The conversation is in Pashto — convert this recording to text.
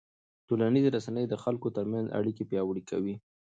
ټولنیزې رسنۍ د خلکو ترمنځ اړیکې پیاوړې کوي.